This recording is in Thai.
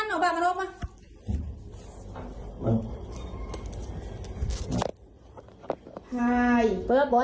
แต่ก่อนที่จะเกิดเหตุการณ์ที่แบบโอ้โห